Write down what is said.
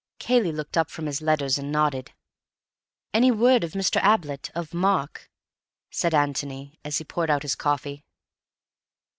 Cayley looked up from his letters and nodded. "Any word of Mr. Ablett—of Mark?" said Antony, as he poured out his coffee.